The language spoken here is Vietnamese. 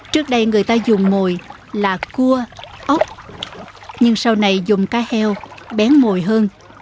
trước đây người ta dùng mồi là cua ốc nhưng sau này dùng cá heo bén mồi hơn